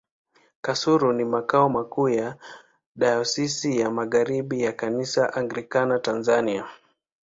Kasulu ni makao makuu ya Dayosisi ya Magharibi ya Kanisa Anglikana Tanzania.